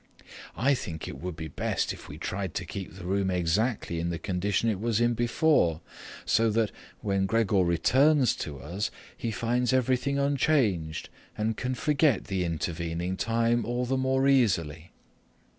I think it would be best if we tried to keep the room exactly in the condition it was in before, so that, when Gregor returns to us, he finds everything unchanged and can forget the intervening time all the more easily."